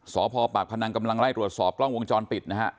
สพปากพนังกำลังไล่ตรวจสอบกล้องวงจรปิดนะฮะ